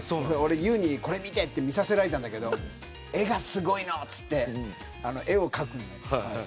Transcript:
俺ＹＯＵにこれ見てって見させられたんだけど絵が、すごいのって絵を描くの。